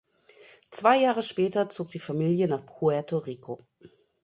Zwei Jahre später zog die Familie nach Puerto Rico.